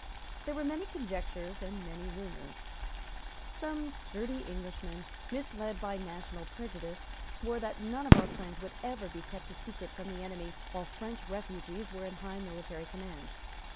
There were many conjectures and many rumours. Some sturdy Englishmen, misled by national prejudice, swore that none of our plans would ever be kept a secret from the enemy while French refugees were in high military command.